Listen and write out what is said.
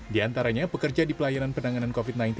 di antaranya pekerja di pelayanan penanganan covid sembilan belas